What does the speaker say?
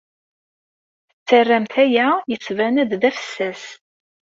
Tettarramt aya yettban-d d afessas.